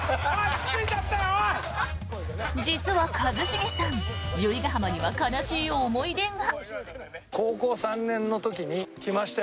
実は一茂さん由比ガ浜には悲しい思い出が。